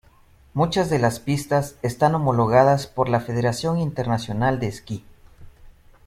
Muchas de las pistas están homologadas por la Federación Internacional de Esquí.